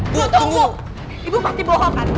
bu tunggu ibu pasti bohong kan